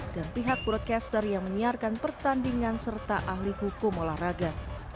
dan pihak broadcaster yang menyiarkan pertandingan serta ahli hukum olahraga